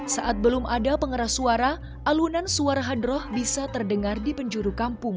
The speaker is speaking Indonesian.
saat belum ada pengeras suara alunan suara hadroh bisa terdengar di penjuru kampung